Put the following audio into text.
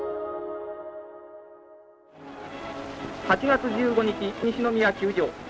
８月１５日西宮球場。